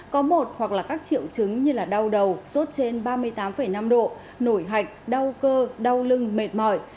có một hoặc là các triệu chứng như đau đầu sốt trên ba mươi tám năm độ nổi hạch đau cơ đau lưng mệt mỏi